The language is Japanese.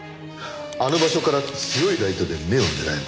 あの場所から強いライトで目を狙えば。